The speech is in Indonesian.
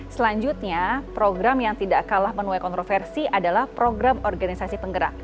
selanjutnya program yang tidak kalah menuai kontroversi adalah program organisasi penggerak